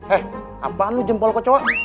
eh apaan lu jempol kecoa